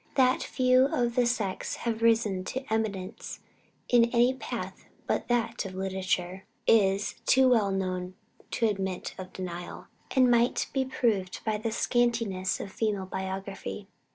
That few of the sex have risen to eminence in any path but that of literature, is too well known to admit of denial, and might be proved by the scantiness of female biography.